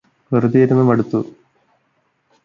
വെറുതെയിരുന്ന് മടുത്തു